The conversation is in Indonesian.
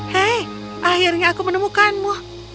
hei akhirnya aku menemukanmu